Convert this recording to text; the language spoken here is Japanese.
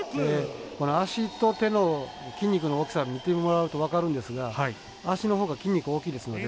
足の手の筋肉の大きさ見てもらうと分かるんですが足のほうが筋肉大きいですよね。